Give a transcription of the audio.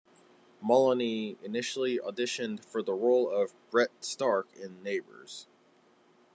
Moloney initially auditioned for the role of Brett Stark in "Neighbours".